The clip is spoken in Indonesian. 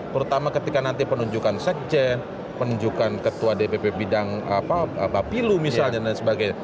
terutama ketika nanti penunjukan sekjen penunjukan ketua dpp bidang bapilu misalnya dan lain sebagainya